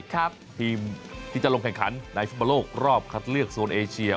ทีมที่จะลงแข่งขันในฟุตบอลโลกรอบคัดเลือกโซนเอเชีย